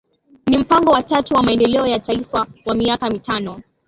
Ni mpango wa tatu wa maendeleo ya Taifa wa miaka mitano